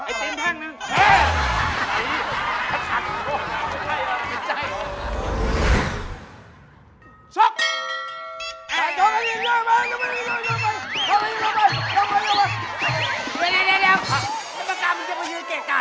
เราได้รับเกียรติจากกรรมการที่เป็นการจากประเทศเพื่อนบ้าน